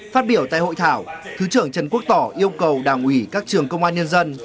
phát biểu tại hội thảo thứ trưởng trần quốc tỏ yêu cầu đảng ủy các trường công an nhân dân